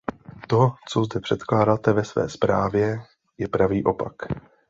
To, co zde předkládáte ve své zprávě, je pravý opak.